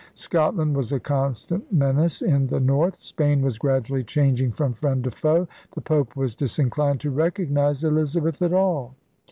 Scotland was a constant menace in the north. Spain was gradually changing from friend to foe. The Pope was disinclined to recognize Elizabeth at all.